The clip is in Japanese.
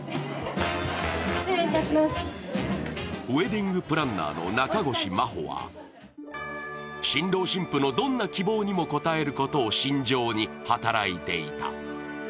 ウエディングプランナーの中越真帆は新郎新婦のどんな希望にも応えることを信条に働いていた。